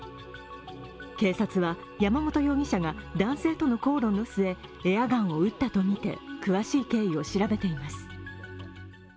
警察は、山本容疑者が男性との口論の末エアガンを撃ったとみて詳しい経緯を調べています。